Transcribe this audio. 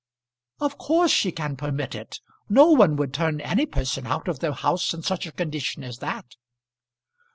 "Of course she can permit it. No one would turn any person out of their house in such a condition as that!"